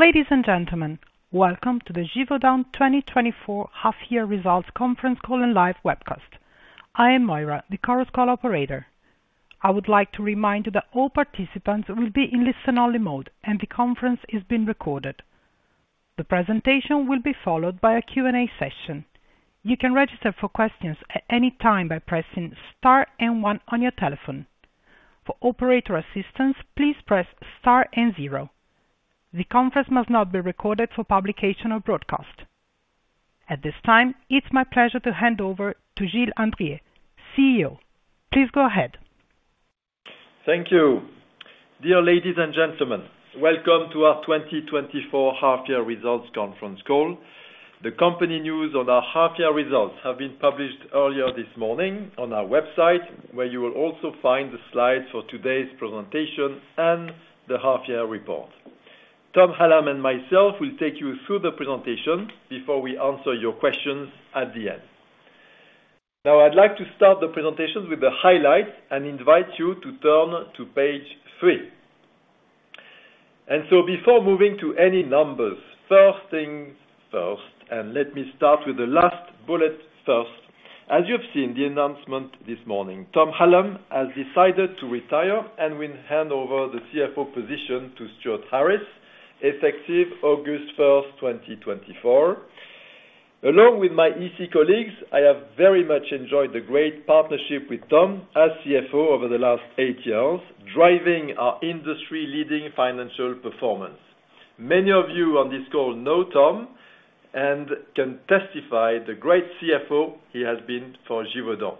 Ladies and gentlemen, welcome to the Givaudan 2024 half year results conference call and live webcast. I am Moira, the current call operator. I would like to remind you that all participants will be in listen-only mode, and the conference is being recorded. The presentation will be followed by a Q&A session. You can register for questions at any time by pressing star and one on your telephone. For operator assistance, please press star and zero. The conference must not be recorded for publication or broadcast. At this time, it's my pleasure to hand over to Gilles Andrier, CEO. Please go ahead. Thank you. Dear ladies and gentlemen, welcome to our 2024 half year results conference call. The company news on our half year results have been published earlier this morning on our website, where you will also find the slides for today's presentation and the half year report. Tom Hallam and myself will take you through the presentation before we answer your questions at the end. Now, I'd like to start the presentation with the highlights and invite you to turn to page three. So before moving to any numbers, first things first, and let me start with the last bullet first. As you've seen the announcement this morning, Tom Hallam has decided to retire and will hand over the CFO position to Stuart Harris, effective August 1, 2024. Along with my EC colleagues, I have very much enjoyed the great partnership with Tom as CFO over the last eight years, driving our industry-leading financial performance. Many of you on this call know Tom and can testify the great CFO he has been for Givaudan.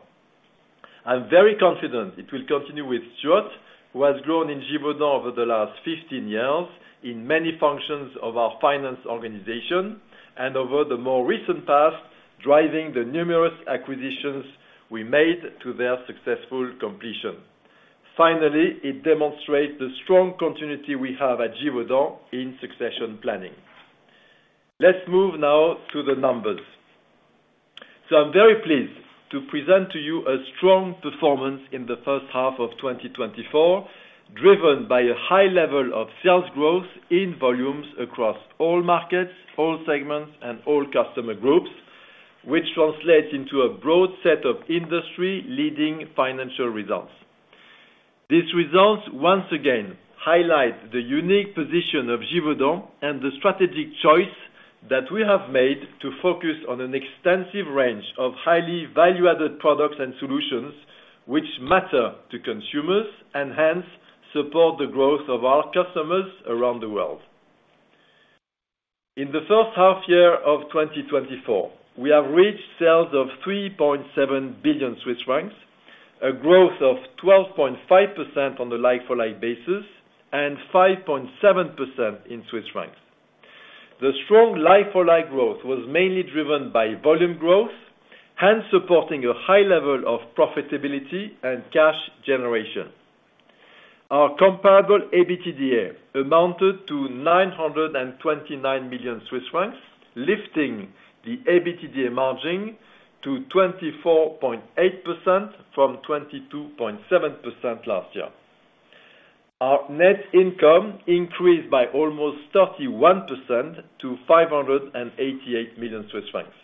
I'm very confident it will continue with Stuart, who has grown in Givaudan over the last 15 years in many functions of our finance organization and over the more recent past, driving the numerous acquisitions we made to their successful completion. Finally, it demonstrates the strong continuity we have at Givaudan in succession planning. Let's move now to the numbers. So I'm very pleased to present to you a strong performance in the first half of 2024, driven by a high level of sales growth in volumes across all markets, all segments, and all customer groups, which translates into a broad set of industry-leading financial results. These results once again highlight the unique position of Givaudan and the strategic choice that we have made to focus on an extensive range of highly value-added products and solutions, which matter to consumers and hence support the growth of our customers around the world. In the first half year of 2024, we have reached sales of 3.7 billion Swiss francs, a growth of 12.5% on the like-for-like basis, and 5.7% in Swiss Francs. The strong like-for-like growth was mainly driven by volume growth, hence supporting a high level of profitability and cash generation. Our comparable EBITDA amounted to 929 million Swiss francs, lifting the EBITDA margin to 24.8% from 22.7% last year. Our net income increased by almost 31% to 588 million Swiss francs.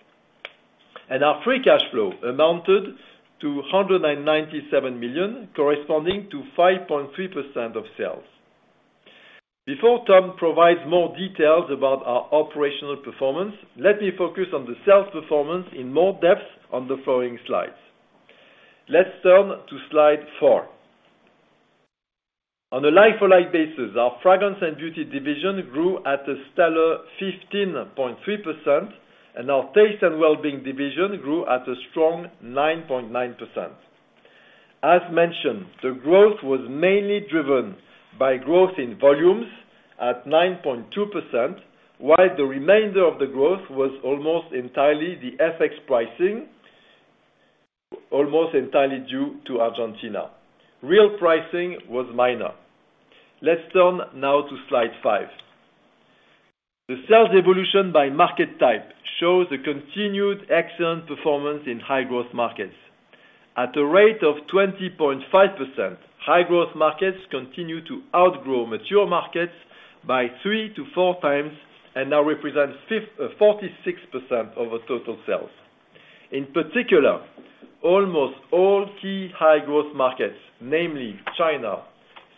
Our free cash flow amounted to 197 million, corresponding to 5.3% of sales. Before Tom provides more details about our operational performance, let me focus on the sales performance in more depth on the following slides. Let's turn to slide four. On a like-for-like basis, our Fragrance & Beauty division grew at a stellar 15.3%, and our Taste & Wellbeing division grew at a strong 9.9%. As mentioned, the growth was mainly driven by growth in volumes at 9.2%, while the remainder of the growth was almost entirely the FX pricing, almost entirely due to Argentina. Real pricing was minor. Let's turn now to slide five. The sales evolution by market type shows a continued excellent performance in high growth markets. At a rate of 20.5%, high growth markets continue to outgrow mature markets by 3x-4x and now represents 46% of the total sales. In particular, almost all key high growth markets, namely China,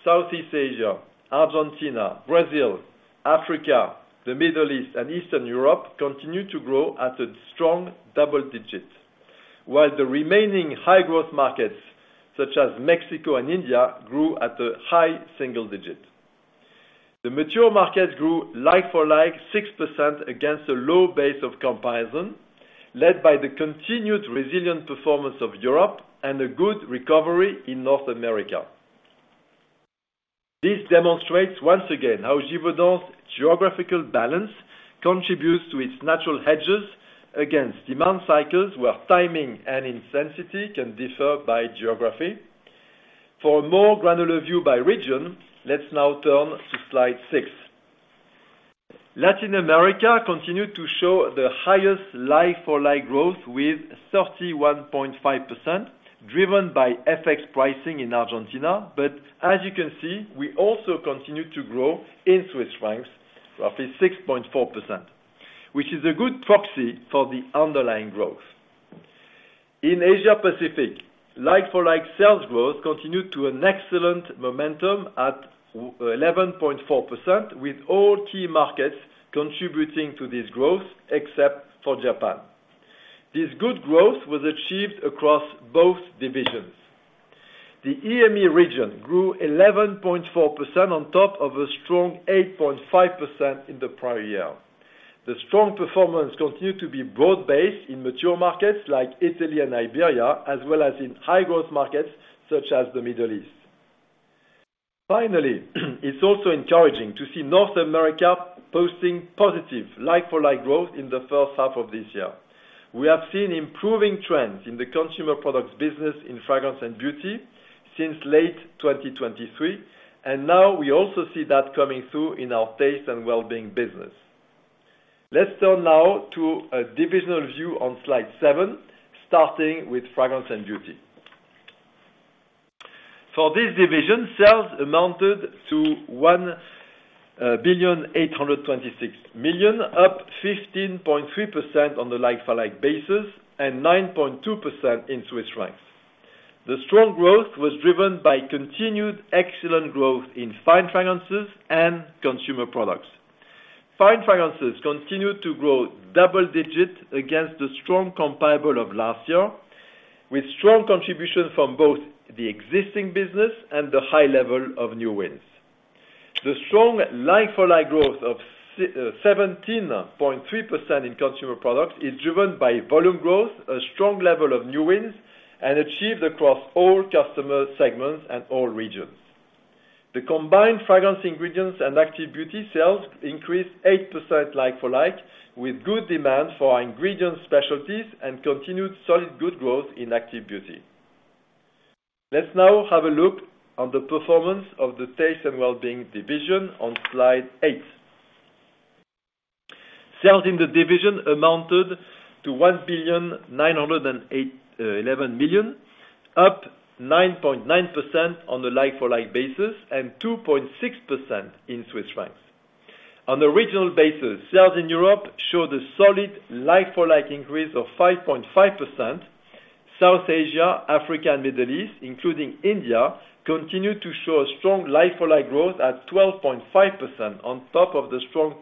Southeast Asia, Argentina, Brazil, Africa, the Middle East, and Eastern Europe, continue to grow at a strong double digit. While the remaining high growth markets, such as Mexico and India, grew at a high single digit. The mature market grew like-for-like 6% against a low base of comparison, led by the continued resilient performance of Europe and a good recovery in North America. This demonstrates once again, how Givaudan's geographical balance contributes to its natural hedges against demand cycles, where timing and intensity can differ by geography. For a more granular view by region, let's now turn to slide six. Latin America continued to show the highest like-for-like growth with 31.5%, driven by FX pricing in Argentina. But as you can see, we also continue to grow in Swiss Francs, roughly 6.4%, which is a good proxy for the underlying growth. In Asia Pacific, like-for-like sales growth continued to an excellent momentum at 11.4%, with all key markets contributing to this growth except for Japan. This good growth was achieved across both divisions. The EMEA region grew 11.4% on top of a strong 8.5% in the prior year. The strong performance continued to be broad-based in mature markets, like Italy and Iberia, as well as in high growth markets, such as the Middle East. Finally, it's also encouraging to see North America posting positive like-for-like growth in the first half of this year. We have seen improving trends in the consumer products business in Fragrance & Beauty since late 2023, and now we also see that coming through in our Taste & Wellbeing business. Let's turn now to a divisional view on Slide 7, starting with Fragrance & Beauty. For this division, sales amounted to 1,826 million, up 15.3% on the like-for-like basis, and 9.2% in Swiss Francs. The strong growth was driven by continued excellent growth in Fine Fragrances and Consumer Products. Fine Fragrances continued to grow double-digit against the strong comparable of last year, with strong contribution from both the existing business and the high level of new wins. The strong like-for-like growth of 17.3% in Consumer Products is driven by volume growth, a strong level of new wins, and achieved across all customer segments and all regions. The combined Fragrance Ingredients and Active Beauty sales increased 8% like-for-like, with good demand for our ingredient specialties and continued solid good growth in Active Beauty. Let's now have a look on the performance of the Taste & Wellbeing division on slide eight. Sales in the division amounted to 1,981 million, up 9.9% on a like-for-like basis, and 2.6% in Swiss Francs. On a regional basis, sales in Europe showed a solid like-for-like increase of 5.5%. South Asia, Africa, and Middle East, including India, continued to show a strong like-for-like growth at 12.5% on top of the strong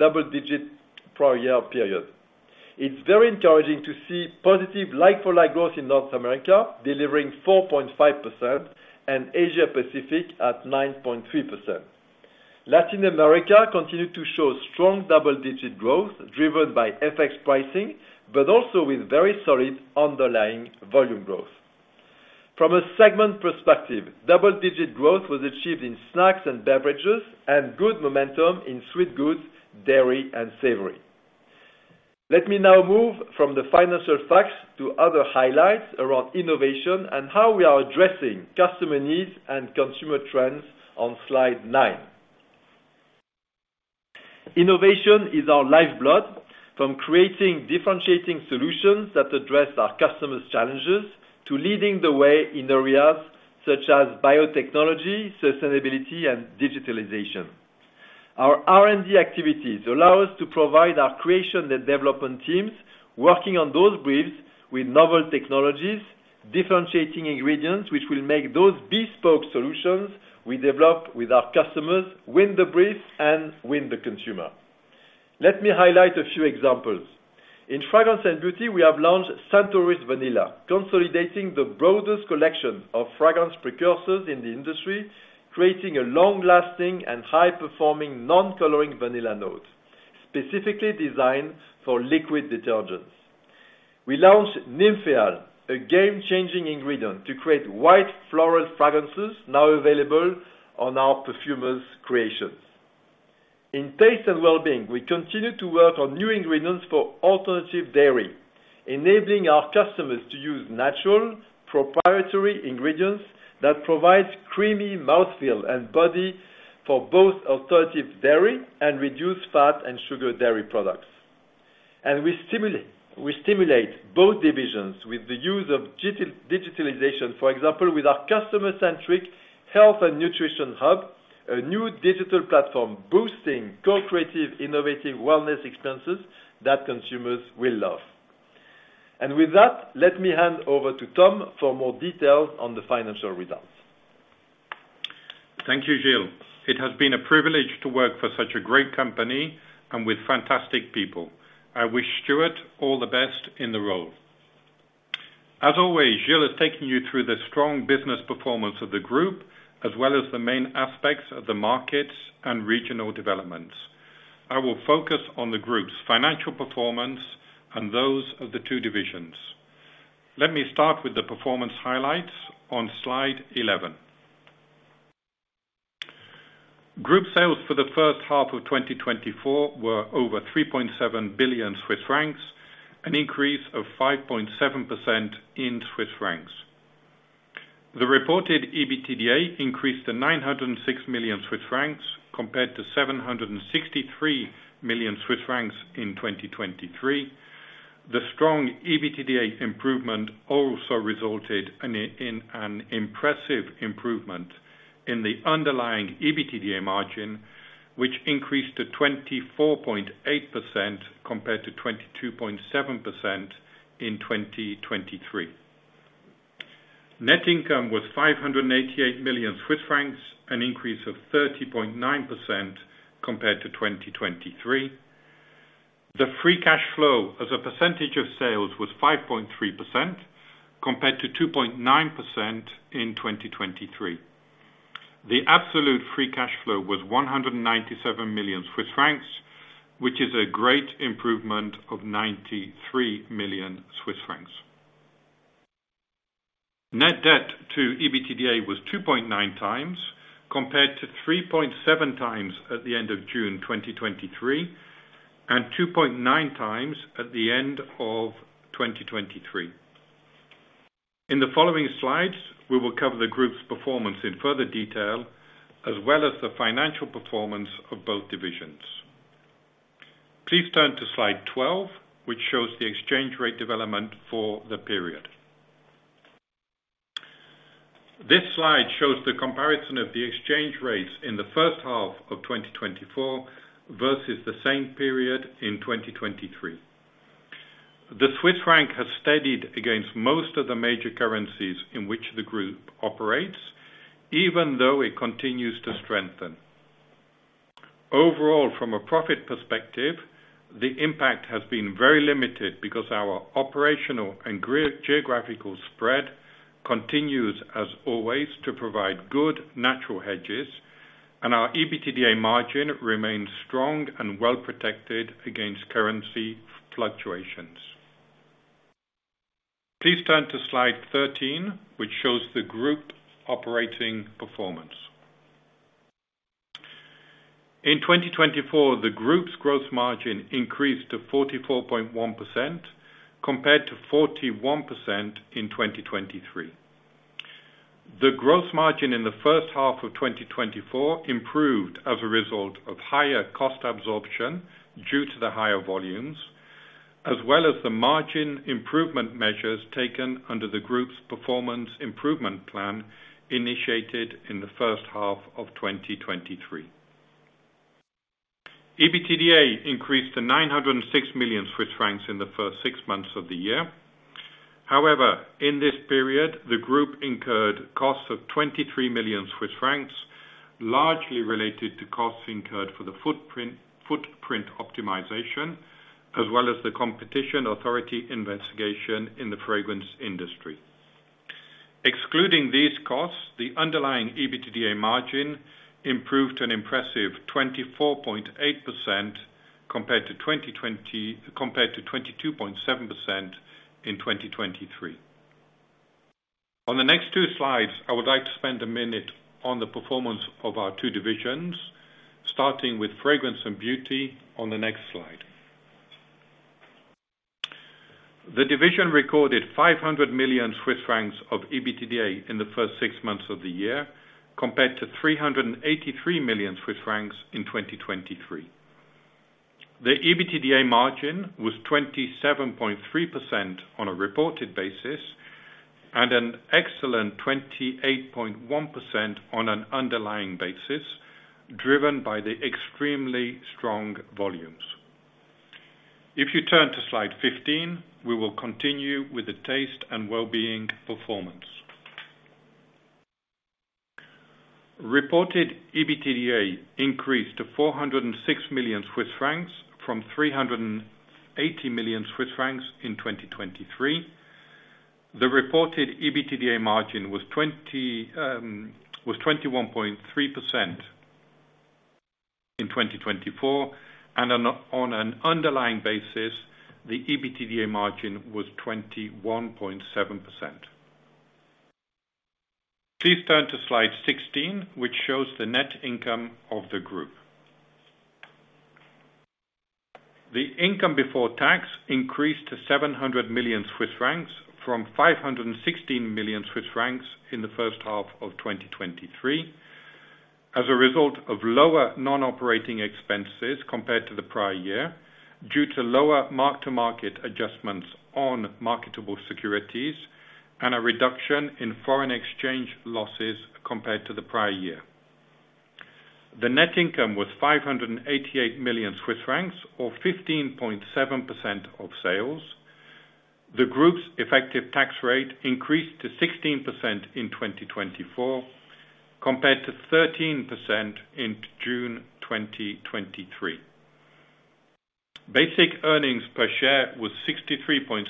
double-digit prior year period. It's very encouraging to see positive like-for-like growth in North America, delivering 4.5% and Asia Pacific at 9.3%. Latin America continued to show strong double-digit growth, driven by FX pricing, but also with very solid underlying volume growth. From a segment perspective, double-digit growth was achieved in snacks and beverages, and good momentum in sweet goods, dairy, and savory. Let me now move from the financial facts to other highlights around innovation and how we are addressing customer needs and consumer trends on slide nine. Innovation is our lifeblood, from creating differentiating solutions that address our customer's challenges, to leading the way in areas such as biotechnology, sustainability, and digitalization. Our R&D activities allow us to provide our creation and development teams working on those briefs with novel technologies, differentiating ingredients, which will make those bespoke solutions we develop with our customers, win the briefs and win the consumer. Let me highlight a few examples. In Fragrance & Beauty, we have launched Scentaurus Vanilla, consolidating the broadest collection of fragrance precursors in the industry, creating a long-lasting and high-performing, non-coloring vanilla note, specifically designed for liquid detergents. We launched Nympheal, a game-changing ingredient to create white floral fragrances, now available on our perfumer's creations. In Taste & Wellbeing, we continue to work on new ingredients for alternative dairy, enabling our customers to use natural, proprietary ingredients that provide creamy mouthfeel and body for both alternative dairy and reduced fat and sugar dairy products. And we stimulate both divisions with the use of digitalization, for example, with our customer-centric health and nutrition hub, a new digital platform boosting co-creative, innovative wellness experiences that consumers will love. And with that, let me hand over to Tom for more details on the financial results. Thank you, Gilles. It has been a privilege to work for such a great company and with fantastic people. I wish Stuart all the best in the role. As always, Gilles has taken you through the strong business performance of the group, as well as the main aspects of the markets and regional developments. I will focus on the group's financial performance and those of the two divisions. Let me start with the performance highlights on Slide 11. Group sales for the first half of 2024 were over 3.7 billion Swiss francs, an increase of 5.7% in Swiss Francs. The reported EBITDA increased to 906 million Swiss francs compared to 763 million Swiss francs in 2023. The strong EBITDA improvement also resulted in an impressive improvement in the underlying EBITDA margin, which increased to 24.8% compared to 22.7% in 2023. Net income was 588 million Swiss francs, an increase of 30.9% compared to 2023. The free cash flow as a percentage of sales was 5.3%, compared to 2.9% in 2023. The absolute free cash flow was 197 million Swiss francs, which is a great improvement of 93 million Swiss francs. Net debt to EBITDA was 2.9x, compared to 3.7x at the end of June 2023, and 2.9x at the end of 2023. In the following slides, we will cover the group's performance in further detail, as well as the financial performance of both divisions. Please turn to slide 12, which shows the exchange rate development for the period. This slide shows the comparison of the exchange rates in the first half of 2024 versus the same period in 2023. The Swiss Franc has steadied against most of the major currencies in which the group operates, even though it continues to strengthen. Overall, from a profit perspective, the impact has been very limited because our operational and geographical spread continues, as always, to provide good natural hedges, and our EBITDA margin remains strong and well protected against currency fluctuations. Please turn to slide 13, which shows the group operating performance. In 2024, the group's gross margin increased to 44.1% compared to 41% in 2023. The gross margin in the first half of 2024 improved as a result of higher cost absorption due to the higher volumes, as well as the margin improvement measures taken under the group's performance improvement plan initiated in the first half of 2023. EBITDA increased to 906 million Swiss francs in the first six months of the year. However, in this period, the group incurred costs of 23 million Swiss francs, largely related to costs incurred for the footprint optimization, as well as the competition authority investigation in the fragrance industry. Excluding these costs, the underlying EBITDA margin improved an impressive 24.8% compared to 22.7% in 2023. On the next two slides, I would like to spend a minute on the performance of our two divisions, starting with Fragrance & Beauty on the next slide. The division recorded 500 million Swiss francs of EBITDA in the first six months of the year, compared to 383 million Swiss francs in 2023. The EBITDA margin was 27.3% on a reported basis and an excellent 28.1% on an underlying basis, driven by the extremely strong volumes. If you turn to slide 15, we will continue with the Taste & Wellbeing performance. Reported EBITDA increased to 406 million Swiss francs from 380 million Swiss francs in 2023. The reported EBITDA margin was 20, was 21.3% in 2024, and on an underlying basis, the EBITDA margin was 21.7%. Please turn to slide 16, which shows the net income of the group. The income before tax increased to 700 million Swiss francs from 516 million Swiss francs in the first half of 2023, as a result of lower non-operating expenses compared to the prior year, due to lower mark-to-market adjustments on marketable securities and a reduction in foreign exchange losses compared to the prior year. The net income was 588 million Swiss francs, or 15.7% of sales. The group's effective tax rate increased to 16% in 2024, compared to 13% in June 2023. Basic earnings per share was 63.76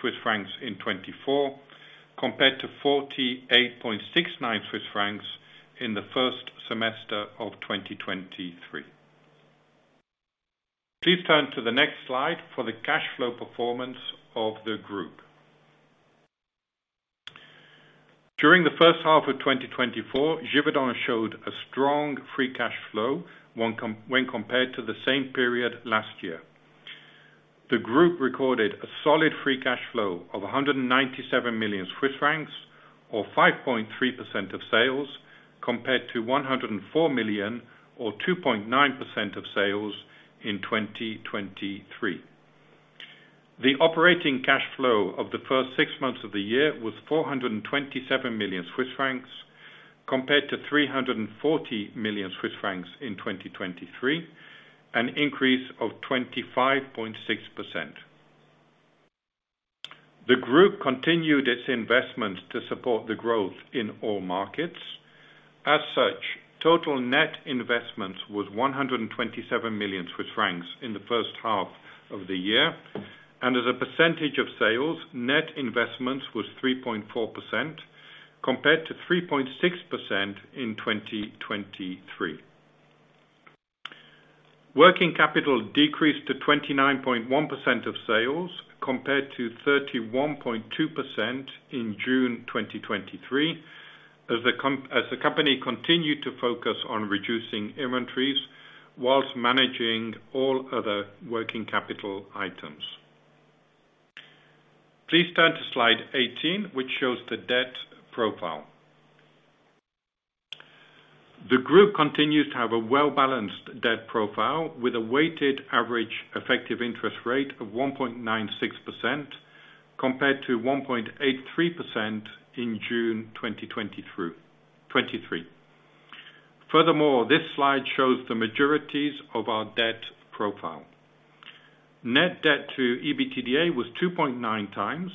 Swiss francs in 2024, compared to 48.69 Swiss francs in the first semester of 2023. Please turn to the next slide for the cash flow performance of the group. During the first half of 2024, Givaudan showed a strong free cash flow when compared to the same period last year. The group recorded a solid free cash flow of 197 million Swiss francs, or 5.3% of sales, compared to 104 million, or 2.9% of sales, in 2023. The operating cash flow of the first six months of the year was 427 million Swiss francs, compared to 340 million Swiss francs in 2023, an increase of 25.6%. The group continued its investments to support the growth in all markets. As such, total net investments was 127 million Swiss francs in the first half of the year, and as a percentage of sales, net investments was 3.4%, compared to 3.6% in 2023. Working capital decreased to 29.1% of sales, compared to 31.2% in June 2023, as the company continued to focus on reducing inventories, while managing all other working capital items. Please turn to slide 18, which shows the debt profile. The group continues to have a well-balanced debt profile, with a weighted average effective interest rate of 1.96%, compared to 1.83% in June 2023. Furthermore, this slide shows the majorities of our debt profile. Net debt to EBITDA was 2.9x,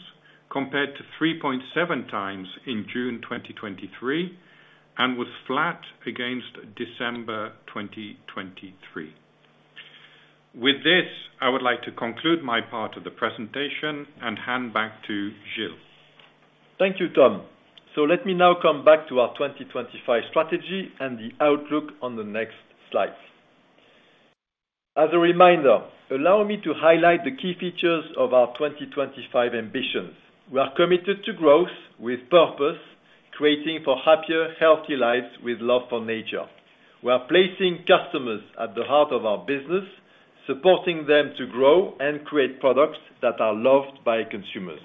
compared to 3.7x in June 2023, and was flat against December 2023. With this, I would like to conclude my part of the presentation and hand back to Gilles. Thank you, Tom. Let me now come back to our 2025 strategy and the outlook on the next slide. As a reminder, allow me to highlight the key features of our 2025 ambitions. We are committed to growth with purpose, creating for happier, healthy lives with love for nature. We are placing customers at the heart of our business, supporting them to grow and create products that are loved by consumers.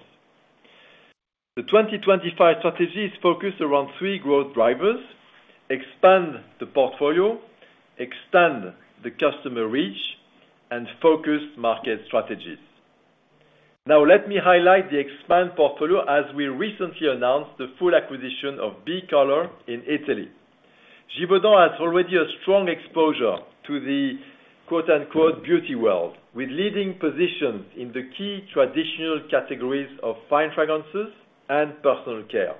The 2025 strategy is focused around three growth drivers: expand the portfolio, extend the customer reach, and focus market strategies. Now, let me highlight the expand portfolio, as we recently announced the full acquisition of b.kolor in Italy. Givaudan has already a strong exposure to the, quote, unquote, “beauty world,” with leading positions in the key traditional categories of Fine Fragrances and personal care.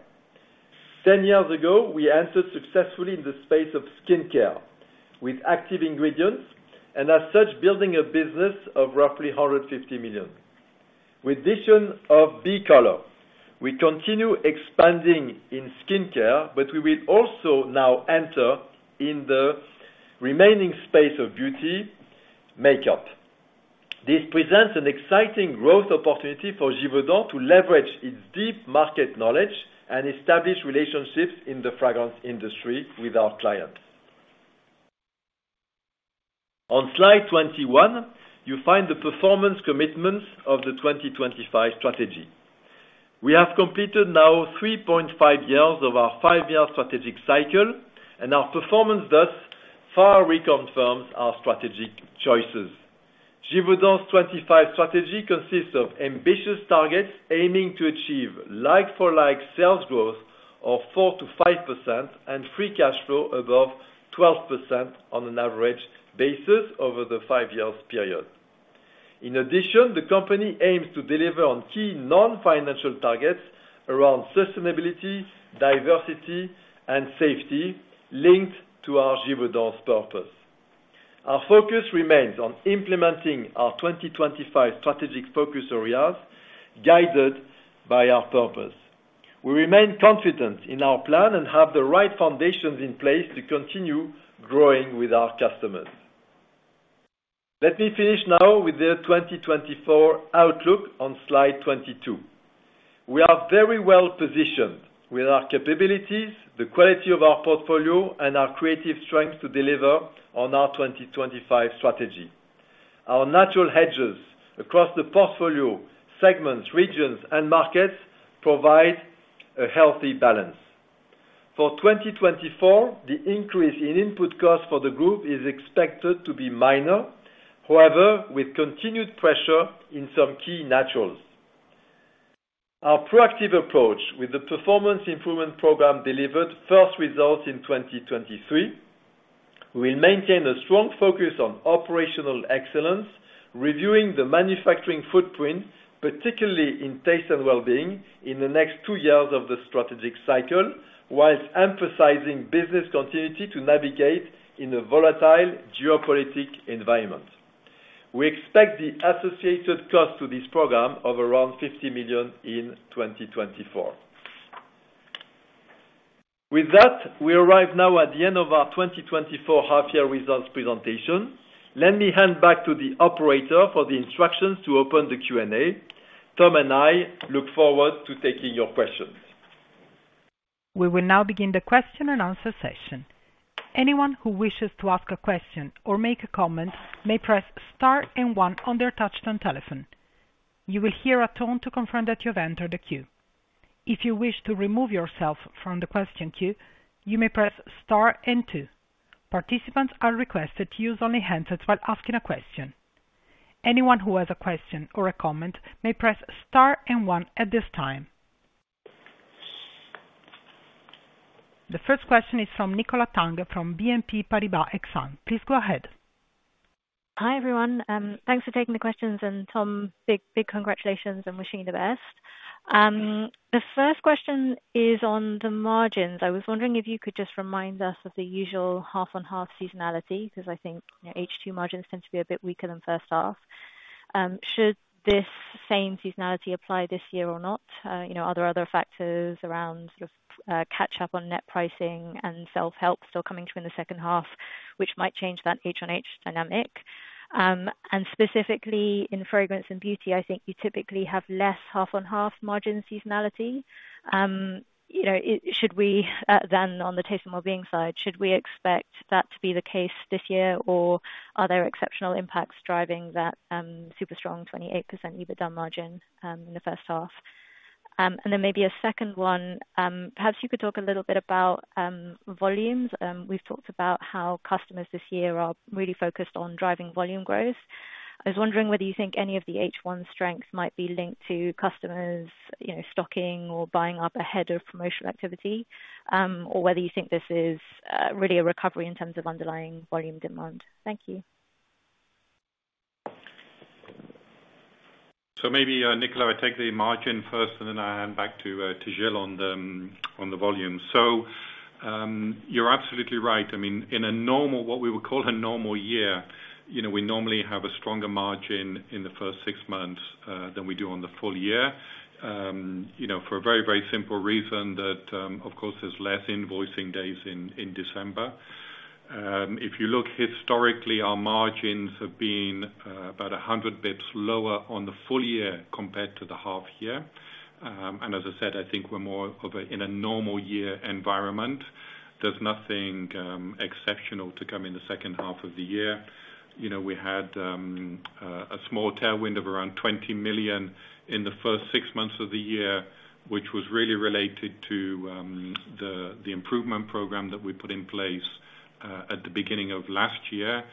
Ten years ago, we entered successfully in the space of skincare with active ingredients, and as such, building a business of roughly 150 million. With addition of b.kolor, we continue expanding in skincare, but we will also now enter in the remaining space of beauty, makeup. This presents an exciting growth opportunity for Givaudan to leverage its deep market knowledge and establish relationships in the fragrance industry with our clients. On slide 21, you find the performance commitments of the 2025 strategy. We have completed now 3.5 years of our 5-year strategic cycle, and our performance thus far reconfirms our strategic choices. Givaudan's 2025 strategy consists of ambitious targets, aiming to achieve like-for-like sales growth of 4%-5% and free cash flow above 12% on an average basis over the 5-year period. In addition, the company aims to deliver on key non-financial targets around sustainability, diversity, and safety linked to our Givaudan's purpose. Our focus remains on implementing our 2025 strategic focus areas, guided by our purpose. We remain confident in our plan and have the right foundations in place to continue growing with our customers. Let me finish now with the 2024 outlook on slide 22. We are very well positioned with our capabilities, the quality of our portfolio, and our creative strength to deliver on our 2025 strategy. Our natural hedges across the portfolio, segments, regions, and markets provide a healthy balance. For 2024, the increase in input costs for the group is expected to be minor, however, with continued pressure in some key Naturals. Our proactive approach with the performance improvement program delivered first results in 2023. We'll maintain a strong focus on operational excellence, reviewing the manufacturing footprint, particularly in Taste & Wellbeing, in the next two years of the strategic cycle, while emphasizing business continuity to navigate in a volatile geopolitical environment. We expect the associated cost to this program of around 50 million in 2024. With that, we arrive now at the end of our 2024 half-year results presentation. Let me hand back to the operator for the instructions to open the Q&A. Tom and I look forward to taking your questions. We will now begin the question and answer session. Anyone who wishes to ask a question or make a comment, may press star and one on their touch-tone telephone. You will hear a tone to confirm that you have entered the queue. If you wish to remove yourself from the question queue, you may press star and two. Participants are requested to use only handsets while asking a question. Anyone who has a question or a comment may press star and one at this time. The first question is from Nicola Tang, from Exane BNP Paribas. Please go ahead. Hi, everyone. Thanks for taking the questions, and Tom, big, big congratulations and wishing you the best. The first question is on the margins. I was wondering if you could just remind us of the usual half-on-half seasonality, 'cause I think, you know, H2 margins tend to be a bit weaker than first half. Should this same seasonality apply this year or not? You know, are there other factors around sort of, catch up on net pricing and self-help still coming through in the second half, which might change that H on H dynamic? And specifically in Fragrance & Beauty, I think you typically have less half-on-half margin seasonality. You know, should we then on the Taste & Wellbeing side, should we expect that to be the case this year, or are there exceptional impacts driving that super strong 28% EBITDA margin in the first half? And then maybe a second one. Perhaps you could talk a little bit about volumes. We've talked about how customers this year are really focused on driving volume growth. I was wondering whether you think any of the H1 strengths might be linked to customers, you know, stocking or buying up ahead of promotional activity, or whether you think this is really a recovery in terms of underlying volume demand. Thank you. So maybe, Nicola, I take the margin first, and then I hand back to, to Gilles on the, on the volume. So, you're absolutely right. I mean, in a normal, what we would call a normal year, you know, we normally have a stronger margin in the first six months, than we do on the full year. You know, for a very, very simple reason that, of course, there's less invoicing days in, in December. If you look historically, our margins have been, about 100 basis points lower on the full year compared to the half year. And as I said, I think we're more of a, in a normal year environment. There's nothing, exceptional to come in the second half of the year. You know, we had a small tailwind of around 20 million in the first six months of the year, which was really related to the improvement program that we put in place at the beginning of last year.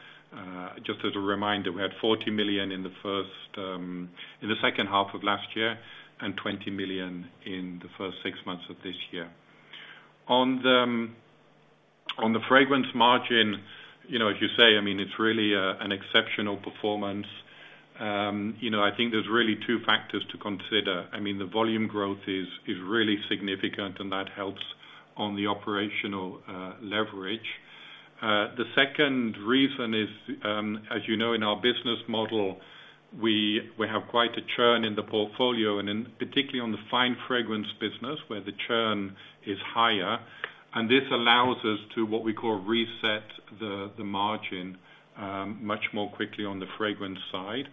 Just as a reminder, we had 40 million in the second half of last year, and 20 million in the first six months of this year. On the fragrance margin, you know, as you say, I mean, it's really an exceptional performance. You know, I think there's really two factors to consider. I mean, the volume growth is really significant, and that helps on the operational leverage. The second reason is, as you know, in our business model, we have quite a churn in the portfolio, and in particular on the Fine Fragrances business, where the churn is higher, and this allows us to, what we call, reset the margin much more quickly on the Fragrance side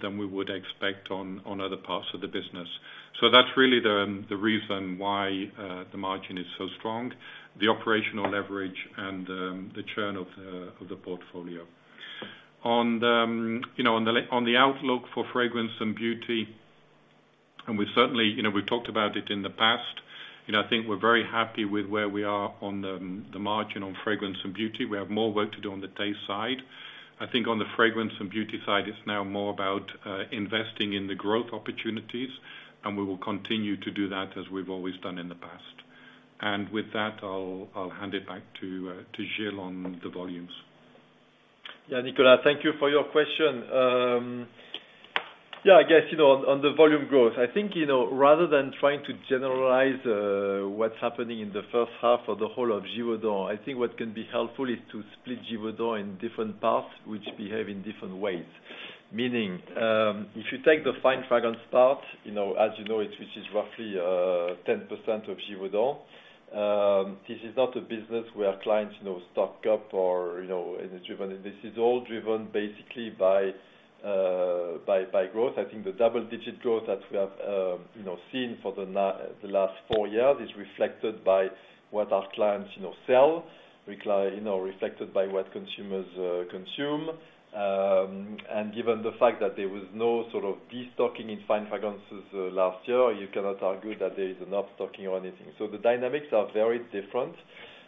than we would expect on other parts of the business. So that's really the reason why the margin is so strong, the operational leverage and the churn of the portfolio. On the outlook for Fragrance & Beauty, and we certainly, you know, we've talked about it in the past, you know, I think we're very happy with where we are on the margin on Fragrance & Beauty. We have more work to do on the Taste side. I think on the Fragrance & Beauty side, it's now more about investing in the growth opportunities, and we will continue to do that as we've always done in the past. And with that, I'll, I'll hand it back to to Gilles on the volumes. Yeah, Nicola, thank you for your question. Yeah, I guess, you know, on, on the volume growth, I think, you know, rather than trying to generalize, what's happening in the first half or the whole of Givaudan, I think what can be helpful is to split Givaudan in different parts, which behave in different ways. Meaning, if you take the fine fragrance part, you know, as you know, it, which is roughly, 10% of Givaudan, this is not a business where clients, you know, stock up or, you know, it is driven. This is all driven basically by, by, by growth. I think the double-digit growth that we have, you know, seen for the last four years is reflected by what our clients, you know, sell. Reflected by what consumers, consume. And given the fact that there was no sort of de-stocking in fine fragrances last year, you cannot argue that there is enough stocking or anything. So the dynamics are very different.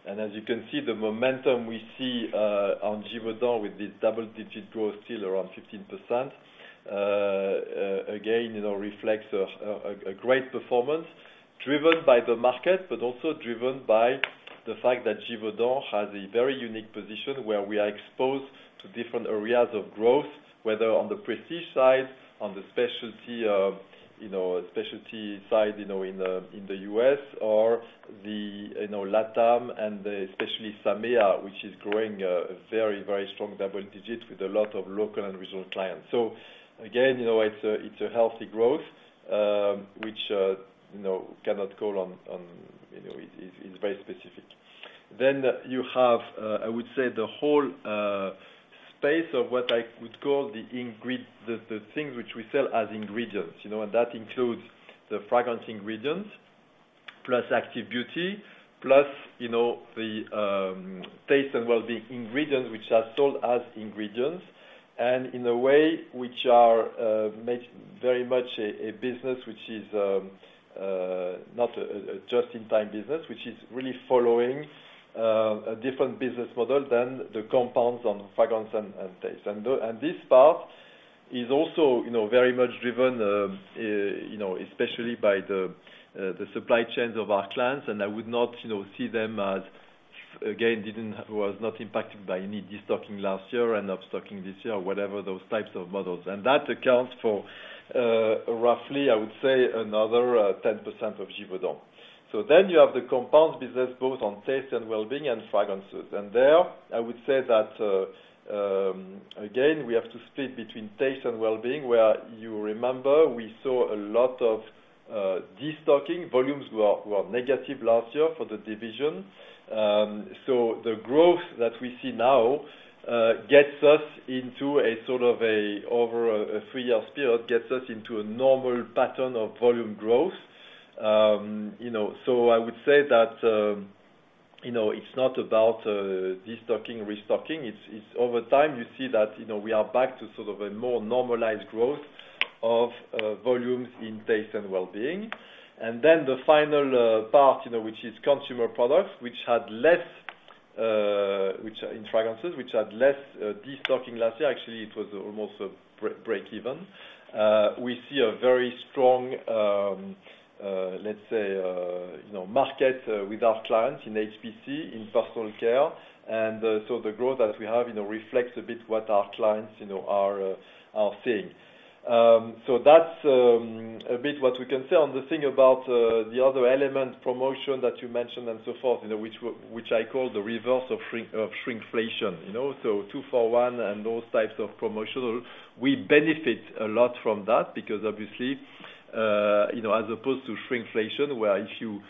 And as you can see, the momentum we see on Givaudan with this double-digit growth, still around 15%, again, you know, reflects a great performance driven by the market, but also driven by the fact that Givaudan has a very unique position, where we are exposed to different areas of growth, whether on the prestige side, on the specialty, you know, specialty side, you know, in the, in the U.S. or the, you know, LATAM, and especially MEA, which is growing a very, very strong double digits with a lot of local and regional clients. So again, you know, it's a healthy growth, which, you know, cannot call on. You know, it's very specific. Then you have, I would say the whole space of what I would call the things which we sell as ingredients, you know, and that includes the fragrance ingredients, plus Active Beauty, plus, you know, the Taste & Wellbeing ingredients, which are sold as ingredients, and in a way, which make very much a business which is not a just in time business, which is really following a different business model than the compounds on fragrance and taste. And this part is also, you know, very much driven, especially by the supply chains of our clients, and I would not, you know, see them as, again, was not impacted by any destocking last year and restocking this year, or whatever those types of models. And that accounts for roughly, I would say, another 10% of Givaudan. So then you have the compound business, both on Taste & Wellbeing, and fragrances. And there, I would say that, again, we have to split between Taste & Wellbeing, where you remember we saw a lot of destocking. Volumes were negative last year for the division. So the growth that we see now gets us into sort of over a three-year period, gets us into a normal pattern of volume growth. You know, so I would say that, you know, it's not about destocking, restocking, it's over time, you see that, you know, we are back to sort of a more normalized growth of volumes in Taste & Wellbeing. And then the final part, you know, which is Consumer Products, which had less, which in fragrances, which had less destocking last year. Actually, it was almost a break even. We see a very strong, let's say, you know, market with our clients in HPC, in personal care. So the growth that we have, you know, reflects a bit what our clients, you know, are seeing. That's a bit what we can say. On the thing about the other element, promotion that you mentioned and so forth, you know, which I call the reverse of shrinkflation, you know? So two for one and those types of promotional, we benefit a lot from that because obviously, you know, as opposed to shrinkflation, where if you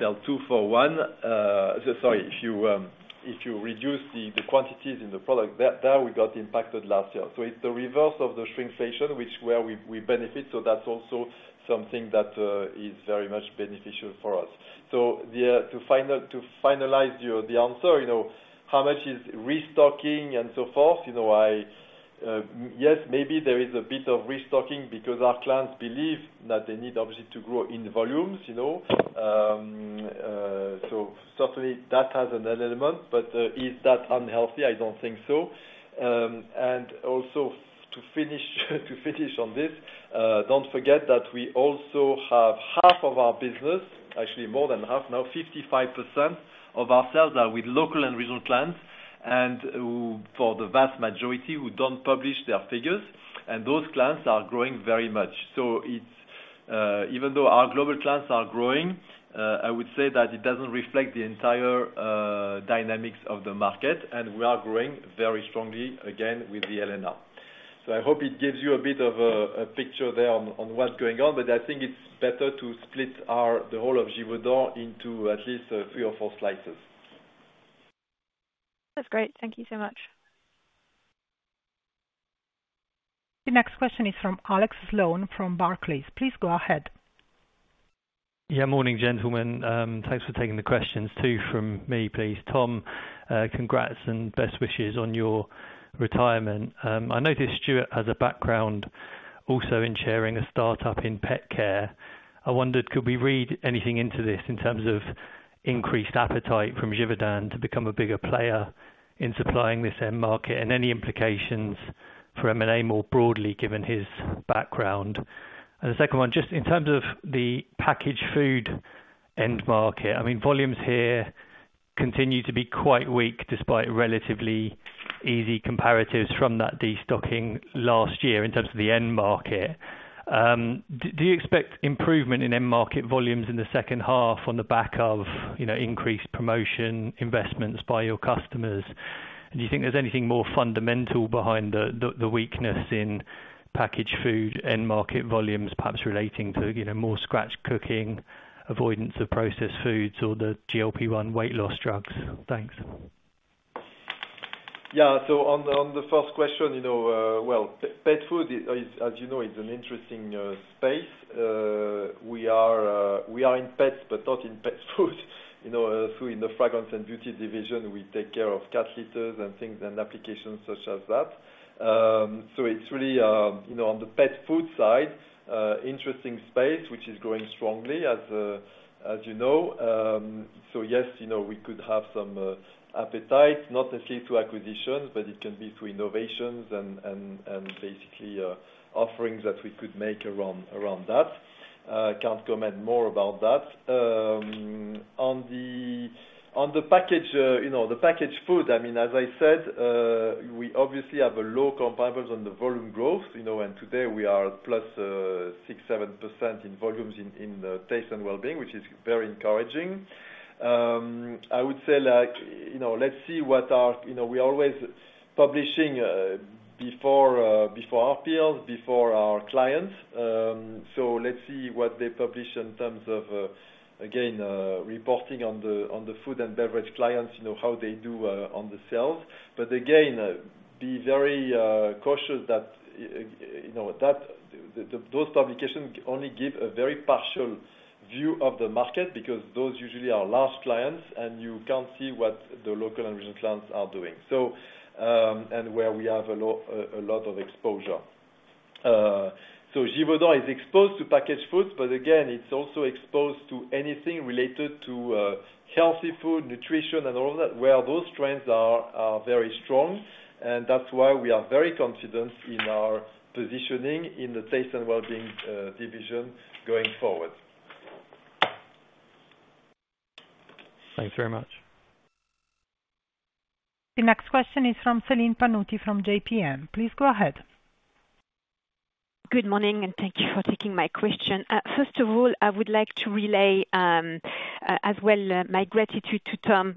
sell two for one. So sorry, if you reduce the quantities in the product, that there we got impacted last year. So it's the reverse of the shrinkflation, where we benefit, so that's also something that is very much beneficial for us. So, to finalize your answer, you know, how much is restocking and so forth? You know, yes, maybe there is a bit of restocking because our clients believe that they need obviously to grow in volumes, you know? So certainly that has an element, but is that unhealthy? I don't think so. And also to finish on this, don't forget that we also have 1/2 of our business, actually more than 1/2 now, 55% of our sales are with local and regional clients, and who, for the vast majority, who don't publish their figures, and those clients are growing very much. So it's even though our global clients are growing, I would say that it doesn't reflect the entire dynamics of the market, and we are growing very strongly again with the L&R. So I hope it gives you a bit of a picture there on what's going on, but I think it's better to split our, the whole of Givaudan into at least three or four slices. That's great. Thank you so much. The next question is from Alex Sloane, from Barclays. Please go ahead. Yeah, morning, gentlemen. Thanks for taking the questions, two from me, please. Tom, congrats and best wishes on your retirement. I noticed Stuart has a background also in sharing a startup in pet care. I wondered, could we read anything into this in terms of increased appetite from Givaudan to become a bigger player in supplying this end market, and any implications for M&A, more broadly, given his background? And the second one, just in terms of the packaged food end market, I mean, volumes here continue to be quite weak, despite relatively easy comparatives from that destocking last year in terms of the end market. Do you expect improvement in end market volumes in the second half on the back of, you know, increased promotion, investments by your customers? And do you think there's anything more fundamental behind the weakness in packaged food end market volumes, perhaps relating to, you know, more scratch cooking, avoidance of processed foods, or the GLP-1 weight-loss drugs? Thanks. Yeah. So on the, on the first question, you know, well, pet food is, as you know, is an interesting space. We are, we are in pets, but not in pet food, you know, so in the Fragrance & Beauty division, we take care of cat litters and things, and applications such as that. So it's really, you know, on the pet food side, interesting space, which is growing strongly, as, as you know. So yes, you know, we could have some appetite, not necessarily through acquisitions, but it can be through innovations and, and, and basically, offerings that we could make around, around that. Can't comment more about that. On the packaged food, I mean, as I said, we obviously have low comparables on the volume growth, you know, and today we are +6%-+7% in volumes in the Taste & Wellbeing, which is very encouraging. I would say, like, you know, let's see what our, you know, we're always publishing before our peers, before our clients. So let's see what they publish in terms of, again, reporting on the food and beverage clients, you know, how they do on the sales. But again, be very cautious that, you know, that those publications only give a very partial view of the market, because those usually are large clients, and you can't see what the local and regional clients are doing. And where we have a lot of exposure. Givaudan is exposed to packaged foods, but again, it's also exposed to anything related to healthy food, nutrition, and all that, where those trends are very strong. That's why we are very confident in our positioning in the Taste & Wellbeing division going forward. Thanks very much. The next question is from Celine Pannuti from JPM. Please go ahead. Good morning, and thank you for taking my question. First of all, I would like to relay, as well, my gratitude to Tom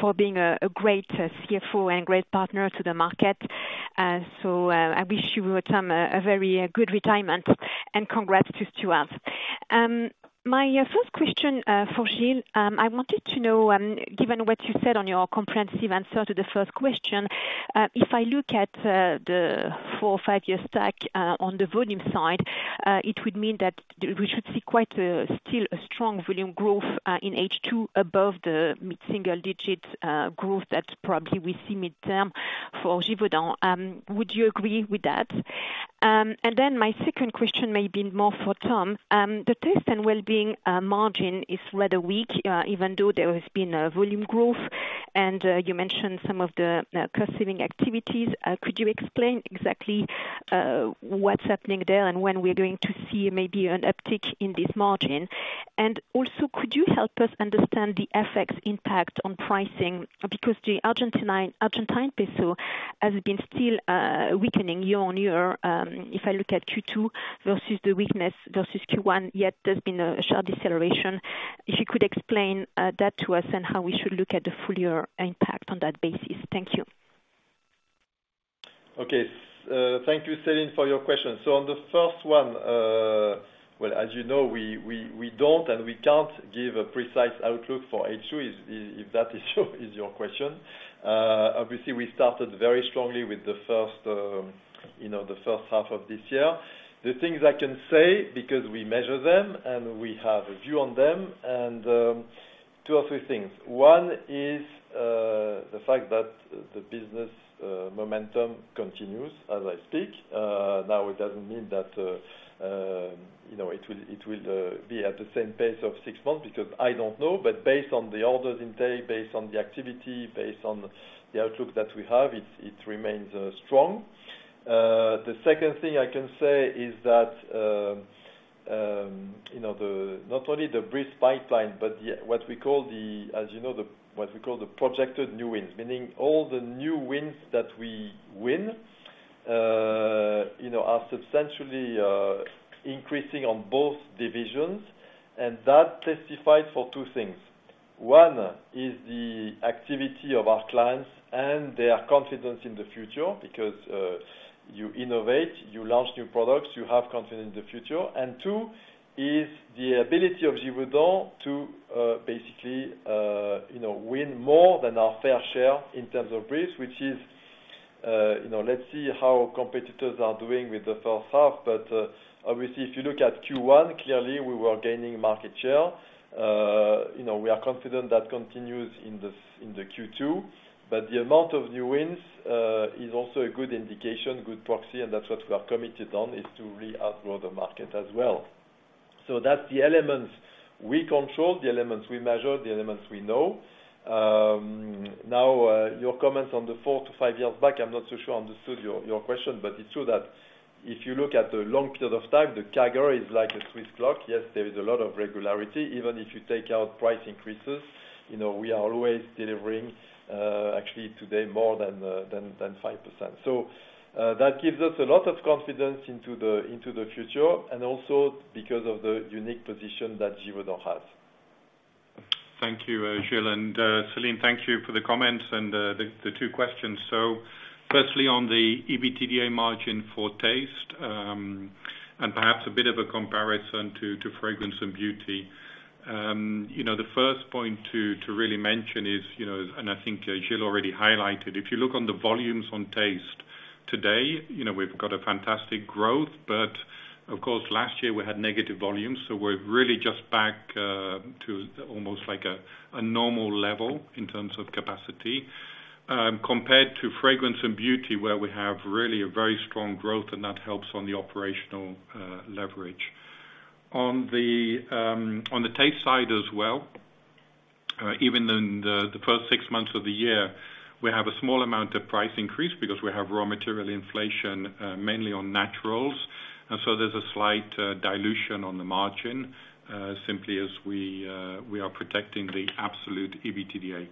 for being a great CFO and great partner to the market. So, I wish you, Tom, a very good retirement, and congrats to Stuart. My first question for Gilles, I wanted to know, given what you said on your comprehensive answer to the first question, if I look at the four or five-year stack on the volume side, it would mean that we should see quite a still a strong volume growth in H2 above the mid-single digits growth that probably we see mid-term for Givaudan. Would you agree with that? And then my second question may be more for Tom. The Taste & Wellbeing margin is rather weak, even though there has been a volume growth, and you mentioned some of the cost-saving activities. Could you explain exactly what's happening there, and when we're going to see maybe an uptick in this margin? And also, could you help us understand the FX impact on pricing? Because the Argentine peso has been still weakening year-on-year. If I look at Q2 versus the weakness versus Q1, yet there's been a sharp deceleration. If you could explain that to us and how we should look at the full year impact on that basis. Thank you. Okay. Thank you, Celine, for your question. So on the first one, well, as you know, we don't and we can't give a precise outlook for H2, if that is your question. Obviously, we started very strongly with the first, you know, the first half of this year. The things I can say, because we measure them, and we have a view on them, and two or three things. One is the fact that the business momentum continues as I speak. Now, it doesn't mean that, you know, it will be at the same pace of six months, because I don't know. But based on the orders intake, based on the activity, based on the outlook that we have, it remains strong. The second thing I can say is that, you know, not only the brief pipeline, but what we call the projected new wins. Meaning all the new wins that we win, you know, are substantially increasing on both divisions, and that testifies for two things. One is the activity of our clients and their confidence in the future, because you innovate, you launch new products, you have confidence in the future. And two, is the ability of Givaudan to, basically, you know, win more than our fair share in terms of briefs, which is, you know, let's see how competitors are doing with the first half. But obviously, if you look at Q1, clearly, we were gaining market share. You know, we are confident that continues in the Q2. But the amount of new wins is also a good indication, good proxy, and that's what we are committed on, is to really outgrow the market as well. So that's the elements we control, the elements we measure, the elements we know. Now, your comments on the four-five years back, I'm not so sure I understood your question, but it's true that if you look at the long period of time, the CAGR is like a Swiss clock. Yes, there is a lot of regularity. Even if you take out price increases, you know, we are always delivering, actually today, more than 5%. That gives us a lot of confidence into the future, and also because of the unique position that Givaudan has. Thank you, Gilles, and Celine, thank you for the comments and the two questions. So firstly, on the EBITDA margin for Taste, and perhaps a bit of a comparison to Fragrance & Beauty. You know, the first point to really mention is, you know, and I think Gilles already highlighted, if you look on the volumes on Taste today, you know, we've got a fantastic growth. But, of course, last year we had negative volumes, so we're really just back to almost like a normal level in terms of capacity. Compared to Fragrance & Beauty, where we have really a very strong growth, and that helps on the operational leverage. On the Taste side as well, even in the first six months of the year, we have a small amount of price increase because we have raw material inflation, mainly on naturals. And so there's a slight dilution on the margin, simply as we are protecting the absolute EBITDA.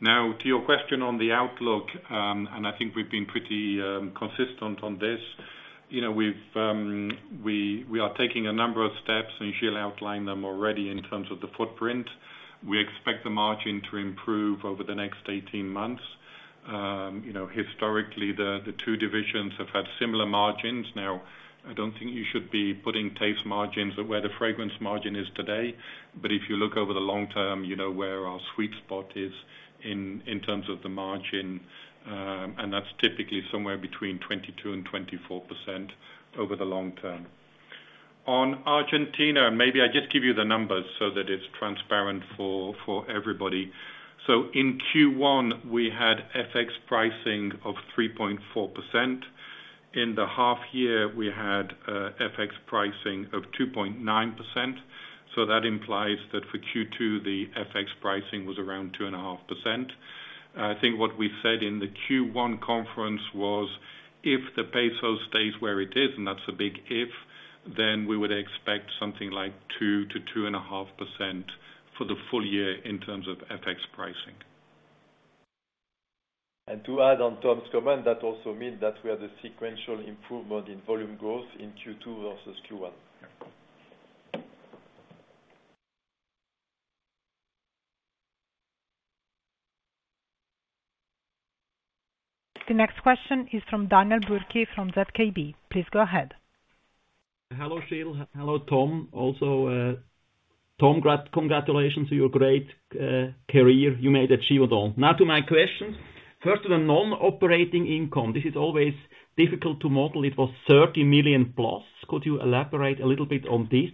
Now, to your question on the outlook, and I think we've been pretty consistent on this. You know, we've, we are taking a number of steps, and Gilles outlined them already in terms of the footprint. We expect the margin to improve over the next 18 months. You know, historically, the two divisions have had similar margins. Now, I don't think you should be putting taste margins where the fragrance margin is today, but if you look over the long term, you know where our sweet spot is in, in terms of the margin, and that's typically somewhere between 22%-24% over the long term. On Argentina, maybe I just give you the numbers so that it's transparent for, for everybody. So in Q1, we had FX pricing of 3.4%. In the half year, we had FX pricing of 2.9%, so that implies that for Q2, the FX pricing was around 2.5%. I think what we said in the Q1 conference was, if the peso stays where it is, and that's a big if, then we would expect something like 2%-2.5% for the full year in terms of FX pricing. To add on Tom's comment, that also mean that we have a sequential improvement in volume growth in Q2 vs Q1. The next question is from Daniel Bürki from ZKB. Please go ahead. Hello, Gilles. Hello, Tom, also, Tom, great congratulations to your great career you made at Givaudan. Now to my question: first, to the non-operating income, this is always difficult to model. It was 30 million plus. Could you elaborate a little bit on this?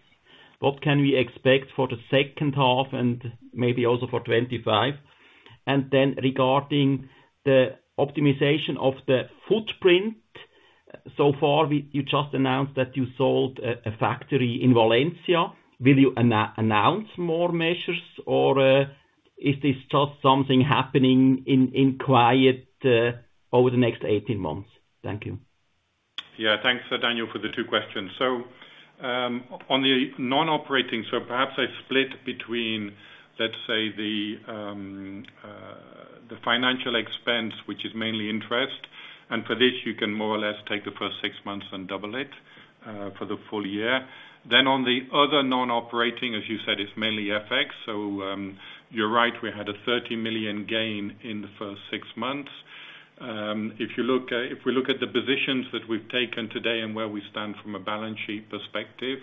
What can we expect for the second half and maybe also for 2025? And then regarding the optimization of the footprint, so far, you just announced that you sold a factory in Valencia. Will you announce more measures, or is this just something happening in quiet over the next 18 months? Thank you. Yeah, thanks, Daniel, for the two questions. So, on the non-operating, so perhaps I split between, let's say, the financial expense, which is mainly interest, and for this, you can more or less take the first six months and double it for the full year. Then on the other non-operating, as you said, it's mainly FX, so, you're right, we had a 30 million gain in the first six months. If we look at the positions that we've taken today and where we stand from a balance sheet perspective,